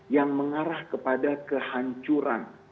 yang mengarah kepada kehancuran